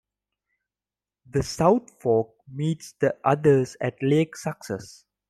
The South Fork meets the others at Lake Success.